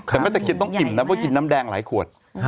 แต่ไว้แต่กินต้องอิ่มนะเพราะกินน้ำแดงหลายขวด